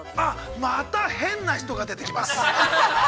◆また変な人が出てきます！